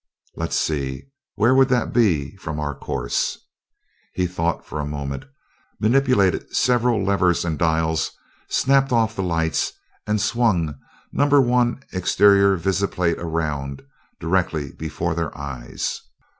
Let's see where would that be from our course?" He thought for a moment, manipulated several levers and dials, snapped off the lights, and swung number one exterior visiplate around, directly before their eyes.